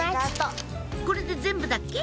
これで全部だっけ？